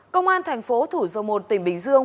công an tp thủ dâu môn tỉnh bình dương